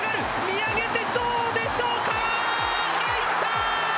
見上げてどうでしょうか？